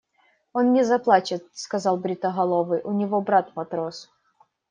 – Он не заплачет, – сказал бритоголовый, – у него брат – матрос.